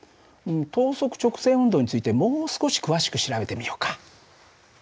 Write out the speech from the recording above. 等速直線運動についてもう少し詳しく調べてみようか。